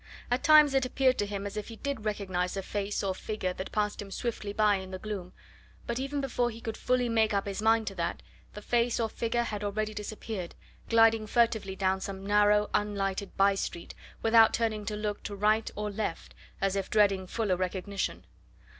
At times it appeared to him as if he did recognise a face or figure that passed him swiftly by in the gloom, but even before he could fully make up his mind to that, the face or figure had already disappeared, gliding furtively down some narrow unlighted by street, without turning to look to right or left, as if dreading fuller recognition.